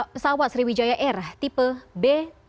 pesawat sriwijaya air tipe b tujuh ratus tiga puluh tujuh lima ratus